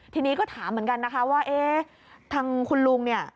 ทีนี้ก็ถามเหมือนกันนะคะว่าเอ๊ะทางคุณลุงเนี่ย